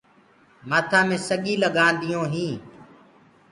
مآٿآ مي سڳيٚ لگانديونٚ هينٚ